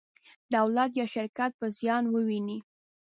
دولت یا شرکت به زیان وویني.